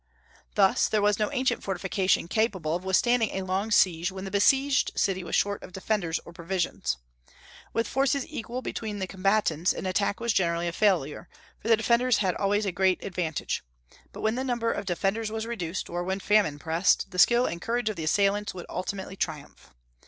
Thus there was no ancient fortification capable of withstanding a long siege when the besieged city was short of defenders or provisions. With forces equal between the combatants an attack was generally a failure, for the defenders had always a great advantage; but when the number of defenders was reduced, or when famine pressed, the skill and courage of the assailants would ultimately triumph.